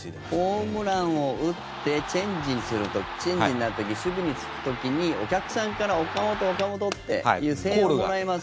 ホームランを打ってチェンジになった時守備に就く時にお客さんから岡本、岡本っていう声援をもらいます。